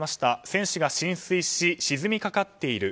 船首が浸水し沈みかかっている。